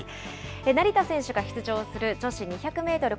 成田選手が出場する女子２００メートル